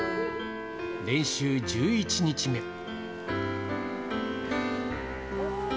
練習１１日目。